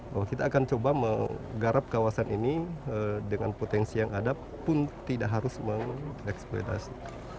bahwa kita akan coba menggarap kawasan ini dengan potensi yang ada pun tidak harus mengeksploitasi